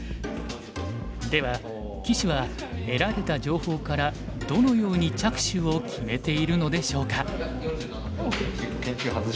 では棋士は得られた情報からどのように着手を決めているのでしょうか？